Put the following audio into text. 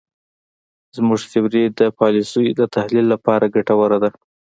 زموږ تیوري د پالیسیو د تحلیل لپاره ګټوره ده.